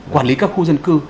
quản lý các khu dân cư